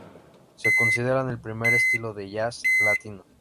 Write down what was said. Se considera el primer estilo de jazz latino.